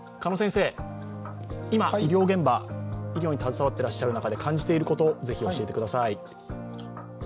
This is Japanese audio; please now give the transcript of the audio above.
今医療現場、医療に携わっている中で感じていることをぜひ教えてください。